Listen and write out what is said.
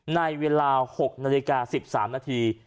ในเวลา๖นาฬิกา๑๓นาที